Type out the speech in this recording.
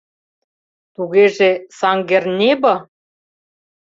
Тугеже Саҥгернэбо?